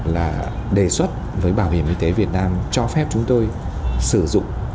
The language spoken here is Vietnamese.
là đề xuất với bảo hiểm y tế việt nam cho phép chúng tôi sử dụng